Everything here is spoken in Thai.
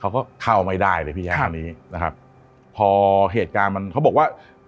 เขาก็เข้าไม่ได้เลยพี่แจ๊คตอนนี้นะครับพอเหตุการณ์มันเขาบอกว่า